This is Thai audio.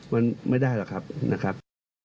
มันไม่ได้หรอกครับ